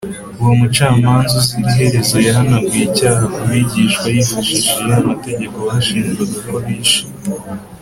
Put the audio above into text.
uwo mucamanza uzira iherezo yahanaguye icyaha ku bigishwa yifashishije ya mategeko bashinjwaga ko bishe